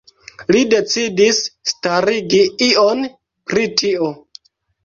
Li decidis starigi ion pri tio.